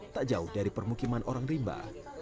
tak jauh dari permukiman orang rimba